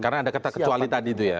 karena ada kata kecuali tadi itu ya